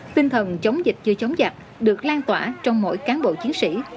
tinh thần chống dịch chưa chống giặc được lan tỏa trong mỗi cán bộ chiến sĩ